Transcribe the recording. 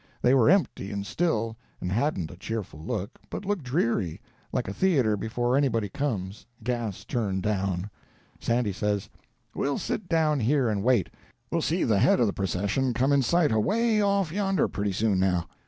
They were empty and still, and hadn't a cheerful look, but looked dreary, like a theatre before anybody comes—gas turned down. Sandy says,— "We'll sit down here and wait. We'll see the head of the procession come in sight away off yonder pretty soon, now."